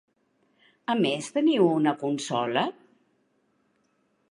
A més teniu una consola?